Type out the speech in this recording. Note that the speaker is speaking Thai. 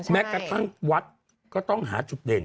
แม้กระทั่งวัดก็ต้องหาจุดเด่น